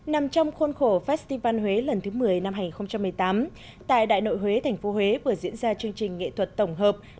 nằm trong khuôn khổ festival huế lần thứ một mươi năm hai nghìn một mươi tám tại đại nội huế tp huế vừa diễn ra chương trình nghệ thuật tổng hợp